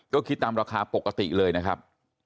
ก็คิดตามราคาปกติเลยนะครับ